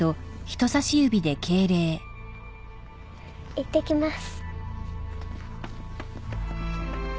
いってきます。